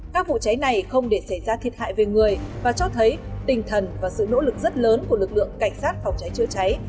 các vụ cháy này không để xảy ra thiệt hại về người và cho thấy tinh thần và sự nỗ lực rất lớn của lực lượng cảnh sát phòng cháy chữa cháy